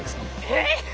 えっ！